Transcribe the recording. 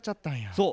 そう。